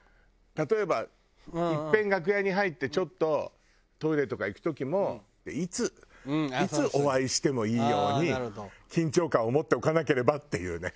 例えばいっぺん楽屋に入ってちょっとトイレとか行く時もいついつお会いしてもいいように緊張感を持っておかなければっていうね。